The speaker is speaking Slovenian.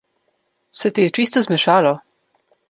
Se ti je čisto zmešalo?